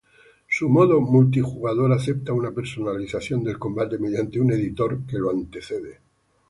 Su modo multijugador acepta una personalización del combate mediante un editor que lo antecede.